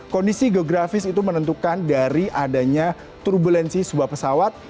kondisi geografis itu menentukan dari adanya turbulensi sebuah pesawat